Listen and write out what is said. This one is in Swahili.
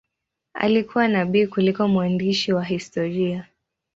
Alikuwa nabii kuliko mwandishi wa historia.